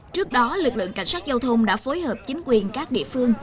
trước đó lực lượng cảnh sát giao thông đã phối hợp chính quyền các địa phương